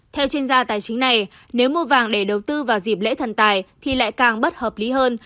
theo chuyên gia tài chính này nếu mua vàng để đầu tư vào dịp lễ thần tài thì lại càng bất hợp lý hơn